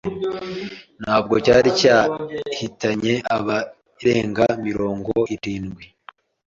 nabwo cyari cyahitanye abarenga mirongo irindwi